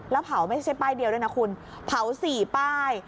แล้วเผาไม่ใช่ป้ายเดียวด้วยนะคุณเผา๔ป้าย